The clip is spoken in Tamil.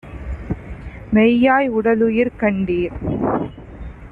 மெய்யாய் உடலுயிர் கண்டீர்!